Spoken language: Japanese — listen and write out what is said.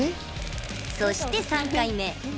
そして３回目。